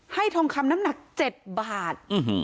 ทองคำน้ำหนัก๗บาท